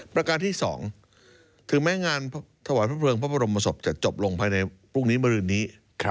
ประการที่๒ถึงแม้งานถวายพระเพลิงพระบรมศพจะจบลงภายในพรุ่งนี้มรืนนี้